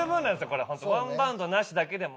これ本当ワンバウンドなしだけでも。